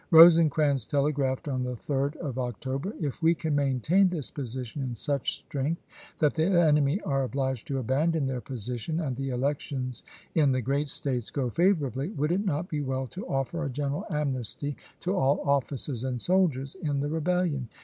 Rosecrans telegraphed on the 3d of Oc tober: "If we can maintain this position in such strength that the enemy are obliged to abandon their position and the elections in the great States go favorably, would it not be well to offer a general amnesty to all officers and soldiers in the Rebellion